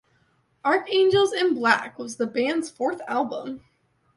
"Archangels in Black" was the band's fourth album.